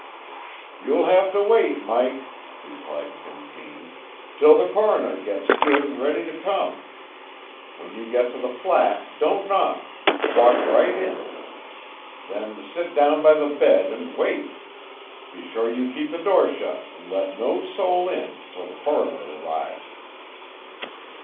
"You'll have to wait, Mike," replied Tim Feeney, "till the Coroner gets good and ready to come. When you get to the flat don't knock; walk right in. Then sit down by the bed and wait. Be sure you keep the door shut and let no soul in till the Coroner arrives."